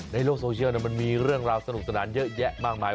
ในโลกโซเชียลมันมีเรื่องราวสนุกสนานเยอะแยะมากมาย